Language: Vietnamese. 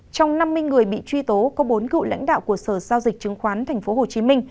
trong năm mươi người bị truy tố có bốn cựu lãnh đạo của sở giao dịch chứng khoán tp hcm